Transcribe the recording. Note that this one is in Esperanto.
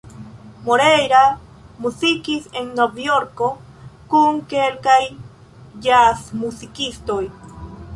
Moreira muzikis en Novjorko kun kelkaj ĵazmuzikistoj.